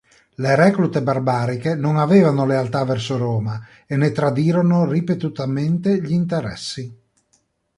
Le reclute barbariche non avevano lealtà verso Roma e ne tradirono ripetutamente gli interessi.